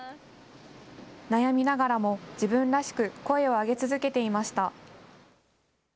悩みながらも、自分らしく声を上げ続けていました。